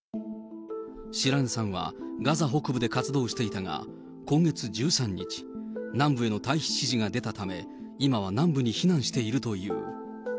白根さんは、ガザ北部で活動していたが、今月１３日、南部への退避指示が出たため、今は南部に避難しているという。